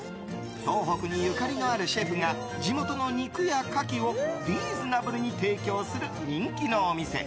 東北にゆかりのあるシェフが地元の肉やカキをリーズナブルに提供する人気のお店。